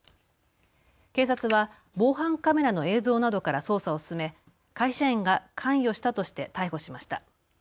警察は防犯カメラの映像などから捜査を進め会社員が関与したとして逮捕しました。